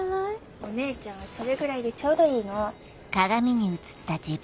お姉ちゃんはそれぐらいでちょうどいいの。